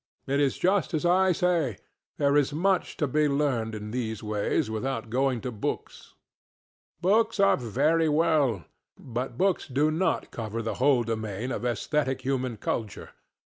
It is just as I say; there is much to be learned in these ways, without going to books. Books are very well, but books do not cover the whole domain of esthetic human culture.